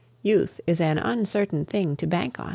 Youth is an uncertain thing to bank on.